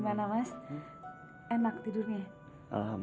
kenapa sih kenapa harusnya ditangkap